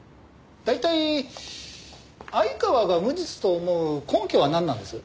大体相川が無実と思う根拠はなんなんです？